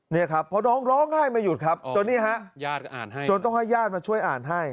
นี่ครับเพราะน้องร้องไห้ไม่หยุดครับจนนี่ฮะจนต้องให้ญาติมาช่วยอ่านให้